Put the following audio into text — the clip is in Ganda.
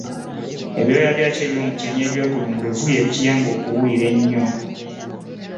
Ebyoya byakyo eby’omu kyenyi ebyekulungirivu bye bikiyamba okuwulira ennyo.